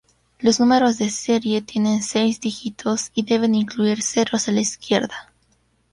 Los números de serie tienen seis dígitos y deben incluir ceros a la izquierda.